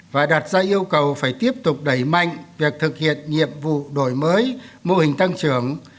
và đặt ra yêu cầu phải tiếp tục đẩy mạnh việc thực hiện nhiệm vụ đổi mới mô hình tăng trưởng